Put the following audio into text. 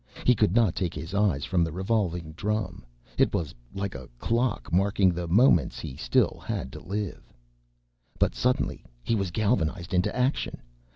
He could not take his eyes from the revolving drum. It was like a clock, marking the moments he still had to live. But suddenly he was galvanized into action.